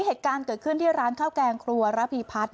เหตุการณ์เกิดขึ้นที่ร้านข้าวแกงครัวระพีพัฒน์